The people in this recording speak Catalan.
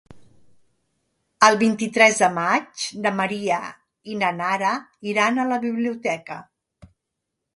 El vint-i-tres de maig na Maria i na Nara iran a la biblioteca.